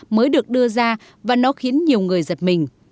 mới được đưa ra và nó khiến nhiều người giật mình